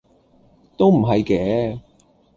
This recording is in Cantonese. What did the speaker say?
都唔係嘅